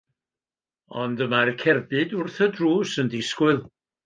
Ond y mae'r cerbyd wrth y drws yn disgwyl.